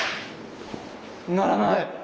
鳴らない！